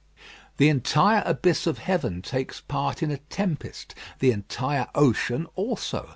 The entire abyss of heaven takes part in a tempest: the entire ocean also.